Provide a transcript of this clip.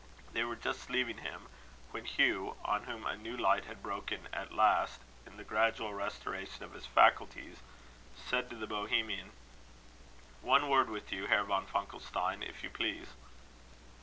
They were just leaving him, when Hugh on whom a new light had broken at last, in the gradual restoration of his faculties, said to the Bohemian: "One word with you, Herr von Funkelstein, if you please."